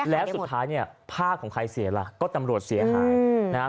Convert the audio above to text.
แล้วสุดท้ายภาคของใครเสียละก็ตำรวจเสียหาย